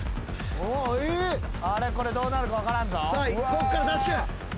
こっからダッシュ！